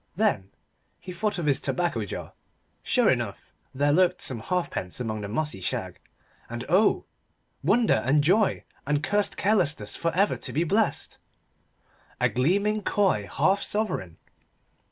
Then he thought of his tobacco jar. Sure enough, there lurked some halfpence among the mossy shag, and oh, wonder and joy and cursed carelessness for ever to be blessed a gleaming coy half sovereign.